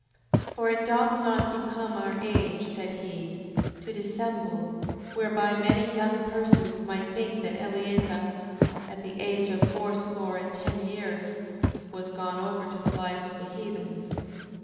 6:24. For it doth not become our age, said he, to dissemble: whereby many young persons might think that Eleazar, at the age of fourscore and ten years, was gone over to the life of the heathens: 6:25.